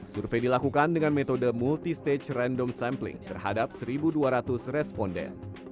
survei dilakukan dengan metode multistage random sampling terhadap satu dua ratus responden